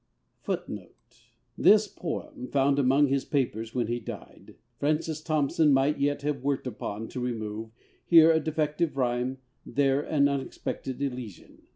[F] [F] This Poem (found among his papers when he died) Francis Thompson might yet have worked upon to remove, here a defective rhyme, there an unexpected elision.